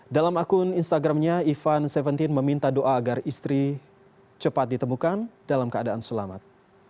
dalam akun instagramnya ivan tujuh belas meminta doa agar istri cepat ditemukan dalam keadaan selamat